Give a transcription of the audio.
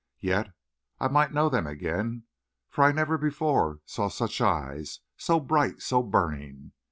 Yet I might know them again, for I never before saw such eyes so bright, so burning.